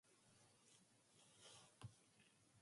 Only one place will be allocated to the hosts.